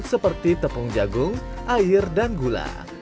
seperti tepung jagung air dan gula